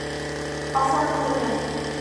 Ҡасан күрҙең?